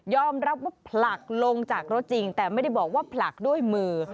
รับว่าผลักลงจากรถจริงแต่ไม่ได้บอกว่าผลักด้วยมือ